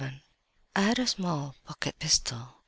VII. "I had a small pocket pistol.